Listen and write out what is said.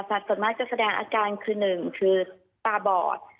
ส่วนมากจะแสดงอาการคือหนึ่งคือตาบอด